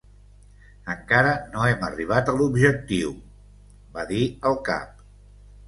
"Encara no hem arribat a l'objectiu", va dir el cap.